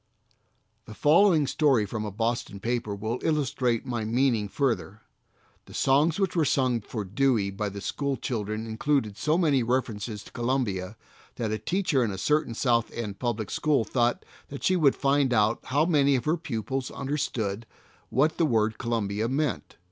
The following story from a Boston paper will illustrate my meaning further: "The songs which were sung for Dewey by the school children included so many references to Columbia that a teacher in a certain South End public school thought that she would find out how many of her pupils understood what the word Columbia meant.